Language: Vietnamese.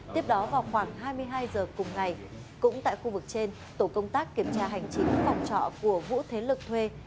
tiếp đó vào khoảng hai mươi hai h cùng ngày cũng tại khu vực trên tổ công tác kiểm tra hành chính phòng trọ của vũ thế lực thuê